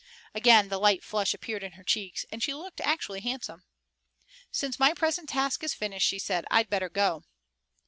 Again the light flush appeared in her cheeks and she looked actually handsome. "Since my present task is finished," she said, "I'd better go."